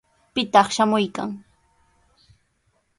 ¿Pitaq shamuykan?